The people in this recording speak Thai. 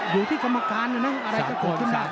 อยู่ที่กรรมการน่ะเนี่ย